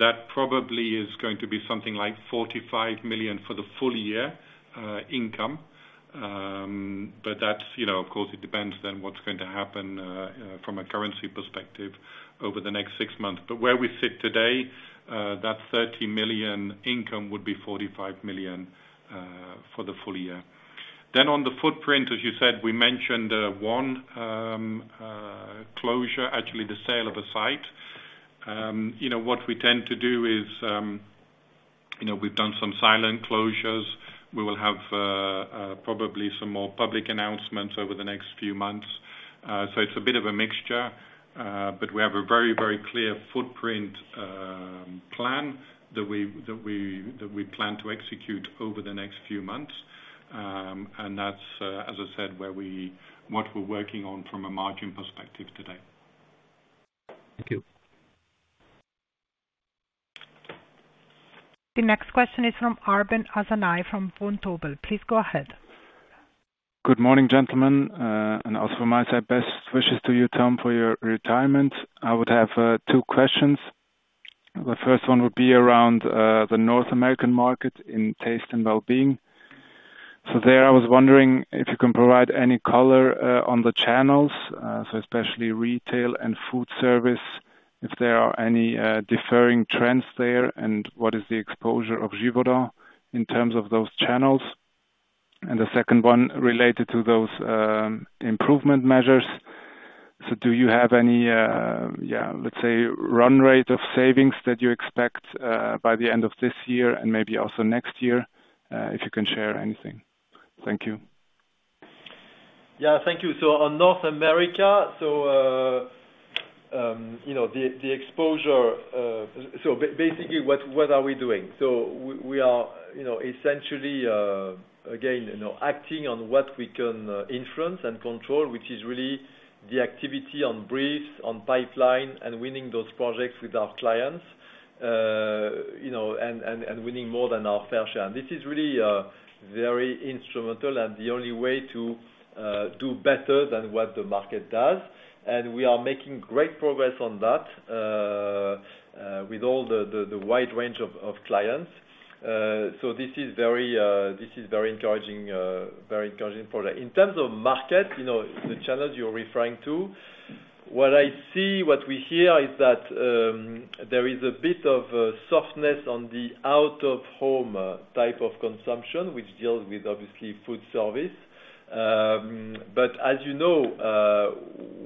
that probably is going to be something like 45 million for the full year, income. But that's, you know, of course, it depends on what's going to happen from a currency perspective over the next six months. But where we sit today, that 30 million income would be 45 million for the full year. On the footprint, as you said, we mentioned one closure, actually, the sale of a site. You know, what we tend to do is, you know, we've done some silent closures. We will have probably some more public announcements over the next few months. It's a bit of a mixture, but we have a very, very clear footprint plan that we, that we, that we plan to execute over the next few months. And that's, as I said, where we, what we're working on from a margin perspective today. Thank you. The next question is from Arben Hasanaj, from Vontobel. Please go ahead. Good morning, gentlemen, and also my side, best wishes to you, Tom, for your retirement. I would have two questions. The first one would be around the North American market in Taste & Wellbeing. So there, I was wondering if you can provide any color on the channels, so especially retail and food service, if there are any differing trends there, and what is the exposure of Givaudan in terms of those channels? And the second one related to those improvement measures. So do you have any, yeah, let's say, run rate of savings that you expect by the end of this year and maybe also next year, if you can share anything? Thank you. Yeah. Thank you. So on North America, so, you know, the exposure. So basically, what are we doing? So we are, you know, essentially, again, you know, acting on what we can influence and control, which is really the activity on briefs, on pipeline, and winning those projects with our clients, you know, and winning more than our fair share. And this is really very instrumental and the only way to do better than what the market does. And we are making great progress on that with all the wide range of clients. So this is very encouraging, very encouraging for that. In terms of market, you know, the channels you're referring to, what I see, what we hear is that, there is a bit of a softness on the out-of-home, type of consumption, which deals with, obviously, food service. But as you know,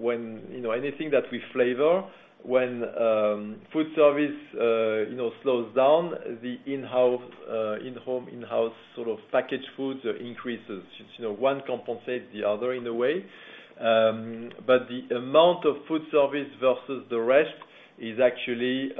when, you know, anything that we flavor, when, food service, you know, slows down, the in-house, in-home, in-house sort of packaged foods increases. You know, one compensates the other in a way. But the amount of food service vs the rest is actually,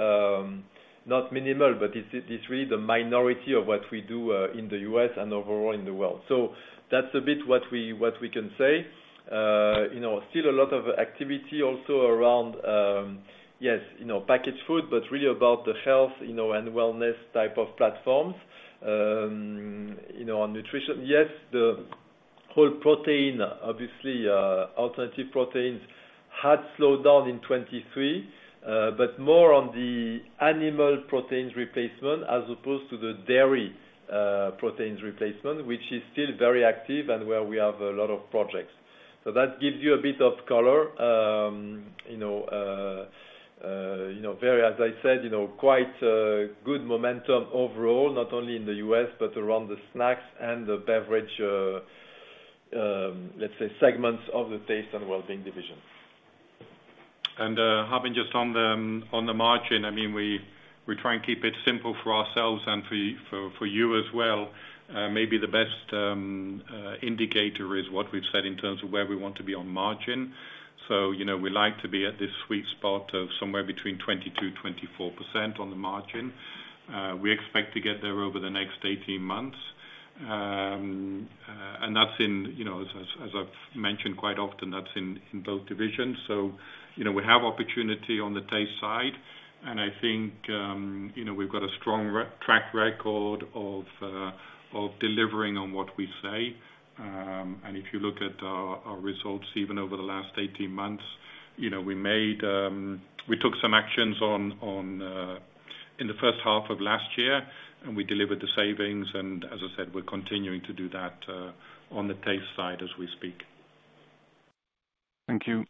not minimal, but it's, it's really the minority of what we do, in the U.S., and overall in the world. So that's a bit what we, what we can say. You know, still a lot of activity also around, yes, you know, packaged food, but really about the health, you know, and wellness type of platforms. You know, on nutrition, yes, the whole protein, obviously, alternative proteins had slowed down in 2023, but more on the animal proteins replacement as opposed to the dairy, proteins replacement, which is still very active and where we have a lot of projects. So that gives you a bit of color. You know, very, as I said, you know, quite, good momentum overall, not only in the U.S., but around the snacks and the beverage, let's say, segments of the Taste & Wellbeing division. I mean, we try and keep it simple for ourselves and for you as well. Maybe the best indicator is what we've said in terms of where we want to be on margin. So, you know, we like to be at this sweet spot of somewhere between 22%-24% on the margin. We expect to get there over the next 18 months. And that's in, you know, as I've mentioned quite often, that's in both divisions. So, you know, we have opportunity on the taste side, and I think, you know, we've got a strong track record of delivering on what we say. And if you look at our results, even over the last 18 months, you know, we made. We took some actions on in the first half of last year, and we delivered the savings, and as I said, we're continuing to do that on the Taste side as we speak. Thank you.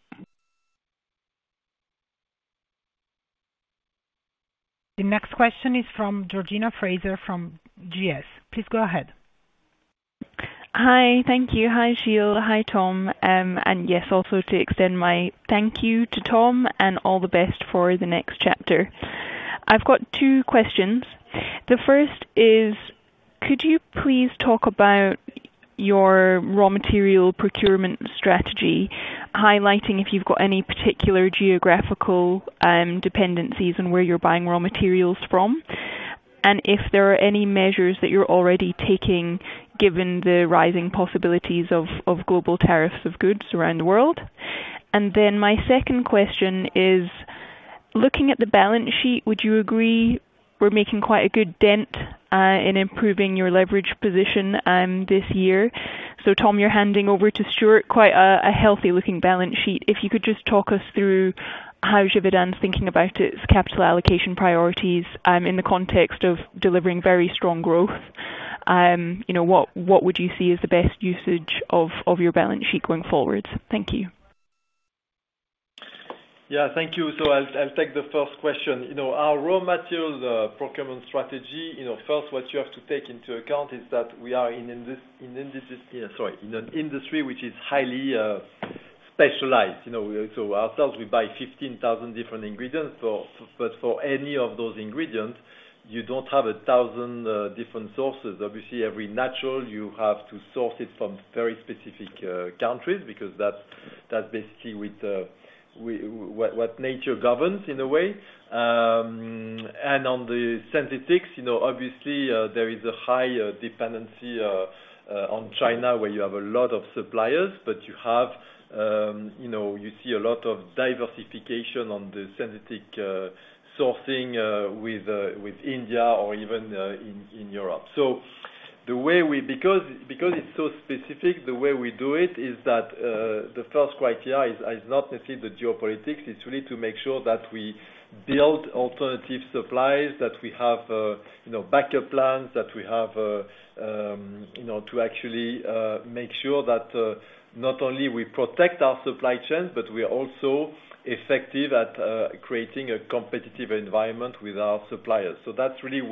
The next question is from Georgina Fraser, from GS. Please go ahead. Hi. Thank you. Hi, Gilles. Hi, Tom. And yes, also to extend my thank you to Tom, and all the best for the next chapter. I've got two questions. The first is: could you please talk about your raw material procurement strategy, highlighting if you've got any particular geographical dependencies and where you're buying raw materials from? And if there are any measures that you're already taking, given the rising possibilities of global tariffs of goods around the world. And then my second question is: looking at the balance sheet, would you agree we're making quite a good dent in improving your leverage position this year? So Tom, you're handing over to Stuart quite a healthy-looking balance sheet. If you could just talk us through how Givaudan's thinking about its capital allocation priorities in the context of delivering very strong growth. You know, what would you see as the best usage of your balance sheet going forward? Thank you. Yeah, thank you. So I'll take the first question. You know, our raw materials procurement strategy, you know, first, what you have to take into account is that we are in an industry which is highly specialized. You know, so ourselves, we buy 15,000 different ingredients. So, but for any of those ingredients, you don't have 1,000 different sources. Obviously, every natural, you have to source it from very specific countries, because that's basically what nature governs in a way. And on the synthetics, you know, obviously, there is a high dependency on China, where you have a lot of suppliers, but you have, you know, you see a lot of diversification on the synthetic sourcing with India or even in Europe. So the way we do it is that, because it's so specific, the way we do it is that the first criteria is not necessarily the geopolitics, it's really to make sure that we build alternative supplies, that we have, you know, backup plans, that we have, you know, to actually make sure that not only we protect our supply chains, but we are also effective at creating a competitive environment with our suppliers. So that's really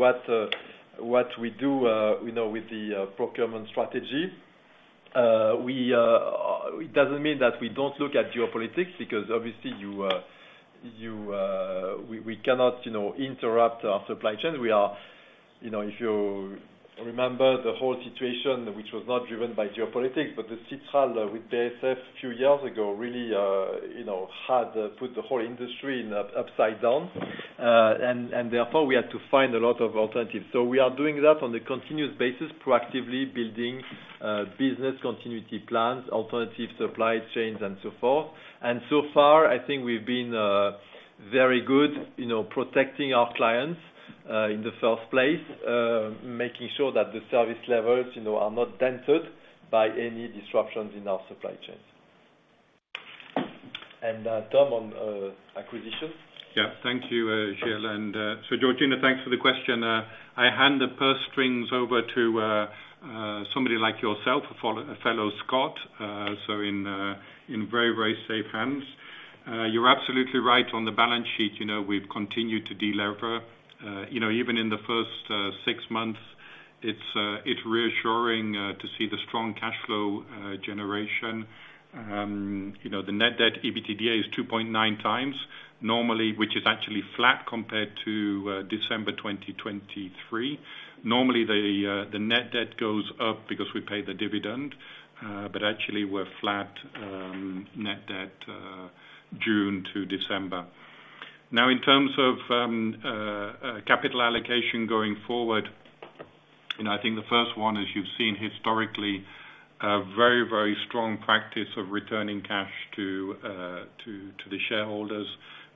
what we do, you know, with the procurement strategy. It doesn't mean that we don't look at geopolitics, because obviously, you know, we cannot interrupt our supply chain. You know, if you remember the whole situation, which was not driven by geopolitics, but the Citral with BASF a few years ago, really, you know, had put the whole industry upside down. And therefore, we had to find a lot of alternatives. So we are doing that on a continuous basis, proactively building business continuity plans, alternative supply chains, and so forth. And so far, I think we've been very good, you know, protecting our clients in the first place, making sure that the service levels, you know, are not dented by any disruptions in our supply chains. And Tom, on acquisition. Yeah. Thank you, Gilles, and, so Georgina, thanks for the question. I hand the purse strings over to, somebody like yourself, a follow a fellow Scot, so in, in very, very safe hands. You're absolutely right on the balance sheet, you know, we've continued to delever. You know, even in the first, six months, it's, it's reassuring, to see the strong cash flow, generation. You know, the net debt to EBITDA is 2.9x, normally, which is actually flat compared to, December 2023. Normally, the, the net debt goes up because we pay the dividend, but actually we're flat, net debt, June to December. Now, in terms of, capital allocation going forward. You know, I think the first one, as you've seen historically, a very, very strong practice of returning cash to the shareholders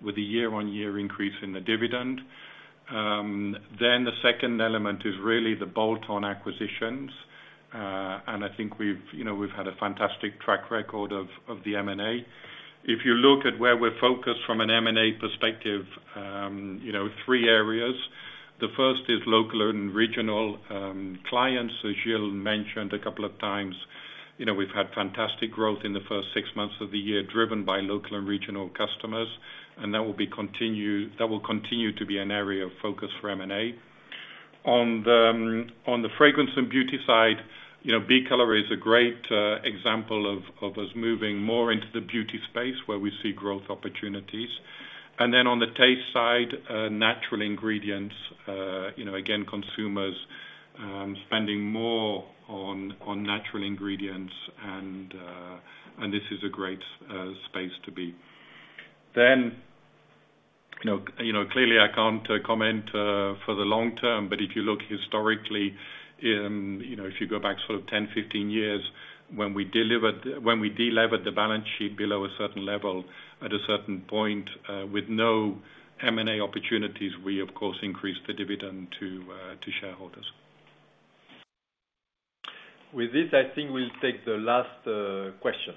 with a year-on-year increase in the dividend. Then the second element is really the bolt-on acquisitions, and I think we've, you know, we've had a fantastic track record of the M&A. If you look at where we're focused from an M&A perspective, you know, three areas. The first is local and regional clients. As Gilles mentioned a couple of times, you know, we've had fantastic growth in the first six months of the year, driven by local and regional customers, and that will continue to be an area of focus for M&A. On the Fragrance & Beauty side, you know, b.kolor is a great example of us moving more into the beauty space, where we see growth opportunities. And then on the taste side, natural ingredients, you know, again, consumers spending more on natural ingredients, and this is a great space to be. Then, you know, clearly, I can't comment for the long term, but if you look historically, you know, if you go back sort of 10, 15 years, when we delevered the balance sheet below a certain level, at a certain point, with no M&A opportunities, we, of course, increased the dividend to shareholders. With this, I think we'll take the last question.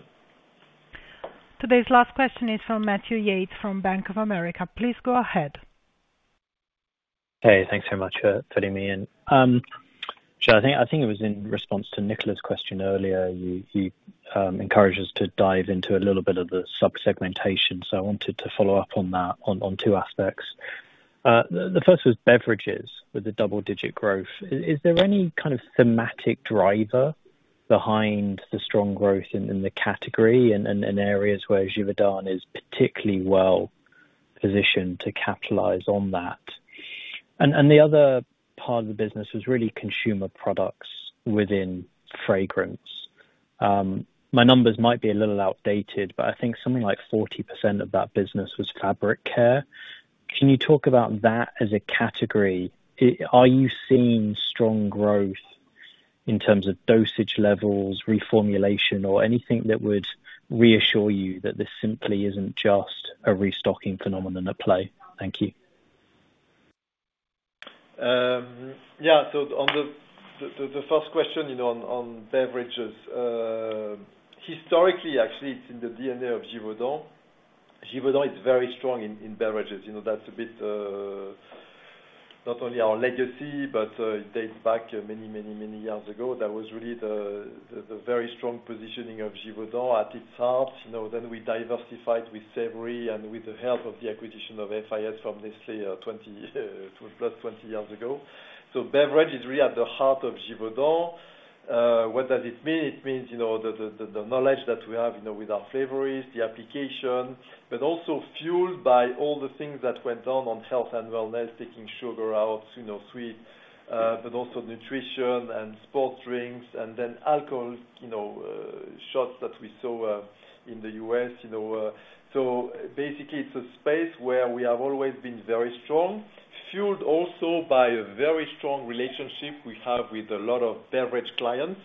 Today's last question is from Matthew Yates from Bank of America. Please go ahead. Hey, thanks so much for putting me in. Sure, I think it was in response to Nicola's question earlier, you encouraged us to dive into a little bit of the sub-segmentation, so I wanted to follow up on that on two aspects. The first was beverages with the double-digit growth. Is there any kind of thematic driver behind the strong growth in the category and areas where Givaudan is particularly well-positioned to capitalize on that? And the other part of the business is really consumer products within fragrance. My numbers might be a little outdated, but I think something like 40% of that business was fabric care. Can you talk about that as a category? Are you seeing strong growth in terms of dosage levels, reformulation, or anything that would reassure you that this simply isn't just a restocking phenomenon at play? Thank you. Yeah, so on the first question, you know, on beverages. Historically, actually, it's in the D&A of Givaudan. Givaudan is very strong in beverages. You know, that's a bit, not only our legacy, but it dates back many, many, many years ago. That was really the very strong positioning of Givaudan at its heart. You know, then we diversified with savory and with the help of the acquisition of FIS from Nestlé, 20-plus 20 years ago. So beverage is really at the heart of Givaudan. What does it mean? It means, you know, the knowledge that we have, you know, with our flavors, the application, but also fueled by all the things that went on on health and wellness, taking sugar out, you know, sweets, but also nutrition and sports drinks, and then alcohol, you know, shots that we saw in the U.S., you know. So basically, it's a space where we have always been very strong, fueled also by a very strong relationship we have with a lot of beverage clients,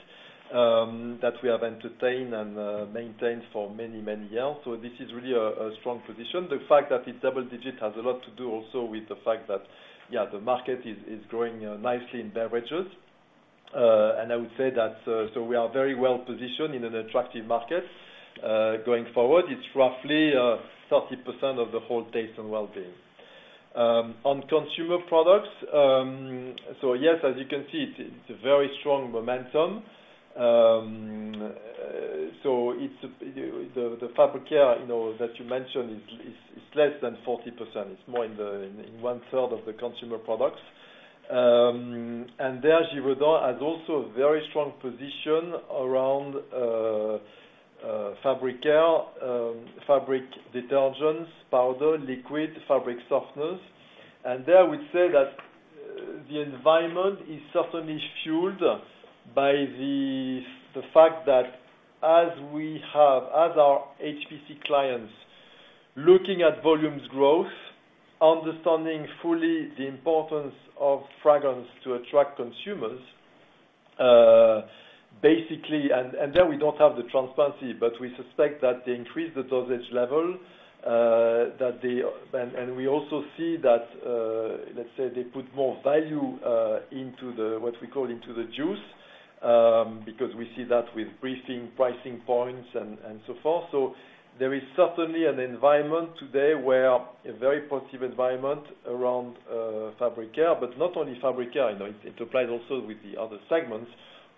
that we have entertained and maintained for many, many years. So this is really a strong position. The fact that it's double-digit has a lot to do also with the fact that, yeah, the market is growing nicely in beverages. And I would say that, so we are very well positioned in an attractive market. Going forward, it's roughly 30% of the whole Taste & Wellbeing. On consumer products, so yes, as you can see, it's a very strong momentum. So it's the fabric care, you know, that you mentioned is less than 40%. It's more in the one third of the consumer products. And there, Givaudan has also a very strong position around fabric care, fabric detergents, powder, liquid, fabric softeners. And there, I would say that the environment is certainly fueled by the fact that as we have, as our HPC clients, looking at volumes growth, understanding fully the importance of fragrance to attract consumers, basically. There we don't have the transparency, but we suspect that they increase the dosage level that they. And we also see that, let's say, they put more value into the, what we call, into the juice, because we see that with briefing, pricing points and so forth. So there is certainly an environment today where a very positive environment around fabric care, but not only fabric care, you know, it applies also with the other segments,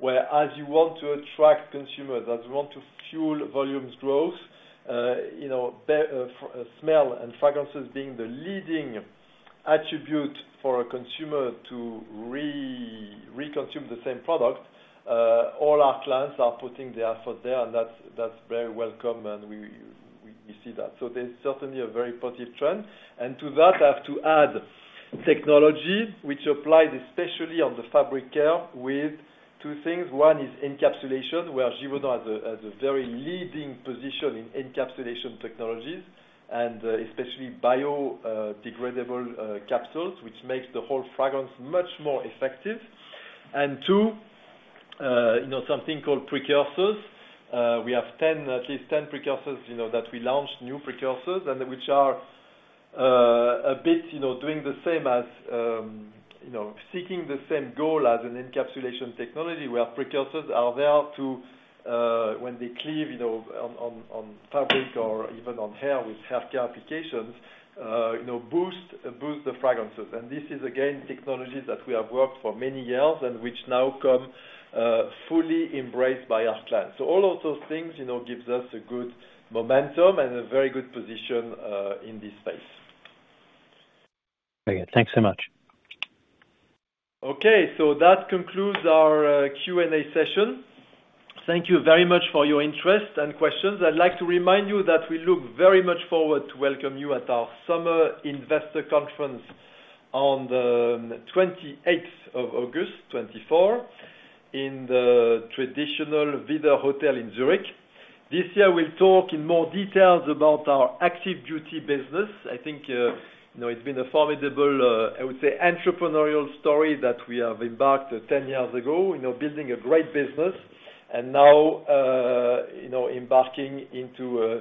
where as you want to attract consumers, as you want to fuel volumes growth, you know, smell and fragrances being the leading attribute for a consumer to reconsume the same product, all our clients are putting the effort there, and that's very welcome, and we see that. So there's certainly a very positive trend. To that, I have to add technology, which applies especially on the fabric care. Two things. One is encapsulation, where Givaudan has a very leading position in encapsulation technologies and especially biodegradable capsules, which makes the whole fragrance much more effective. And two, you know, something called precursors. We have 10, at least 10 precursors, you know, that we launched new precursors, and which are a bit, you know, doing the same as seeking the same goal as an encapsulation technology, where precursors are there to, when they cleave, you know, on fabric or even on hair with healthcare applications, you know, boost the fragrances. And this is, again, technologies that we have worked for many years and which now come fully embraced by our clients. So all of those things, you know, gives us a good momentum and a very good position in this space. Very good. Thanks so much. Okay, so that concludes our Q&A session. Thank you very much for your interest and questions. I'd like to remind you that we look very much forward to welcome you at our summer investor conference on the 28th of August 2024, in the traditional Widder Hotel in Zürich. This year, we'll talk in more details about our Active Beauty business. I think, you know, it's been a formidable, I would say entrepreneurial story that we have embarked ten years ago, you know, building a great business. And now, you know, embarking into a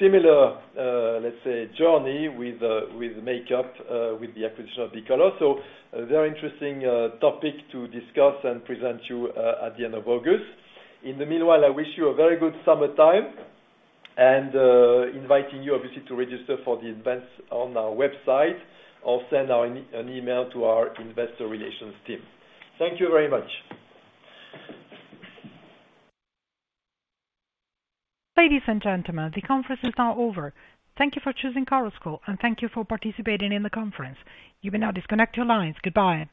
similar, let's say, journey with makeup, with the acquisition of b.kolor. So a very interesting topic to discuss and present you at the end of August. In the meanwhile, I wish you a very good summer time, and inviting you obviously to register for the events on our website, or send an email to our investor relations team. Thank you very much. Ladies and gentlemen, the conference is now over. Thank you for choosing Chorus Call, and thank you for participating in the conference. You may now disconnect your lines. Goodbye.